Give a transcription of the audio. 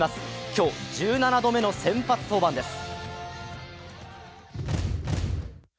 今日、１７度目の先発登板です。